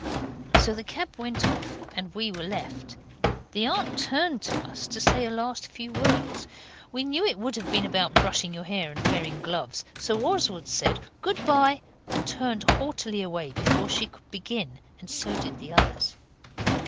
So the cab went off, and we were left. The aunt turned to us to say a few last words. We knew it would have been about brushing your hair and wearing gloves, so Oswald said, 'Good bye', and turned haughtily away, before she could begin, and so did the others.